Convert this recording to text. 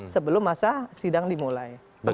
sebelum masa sidang dimulai